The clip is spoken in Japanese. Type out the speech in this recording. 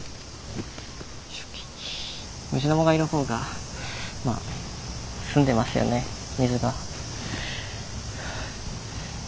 ムジナモがいる方がまあ澄んでますよね水が。